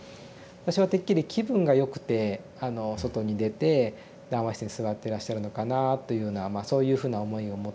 私はてっきり気分が良くて外に出て談話室に座ってらっしゃるのかなというようなそういうふうな思いを持ってですね